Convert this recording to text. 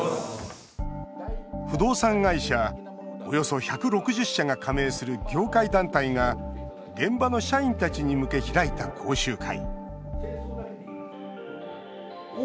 不動産会社およそ１６０社が加盟する業界団体が現場の社員たちに向け開いた講習会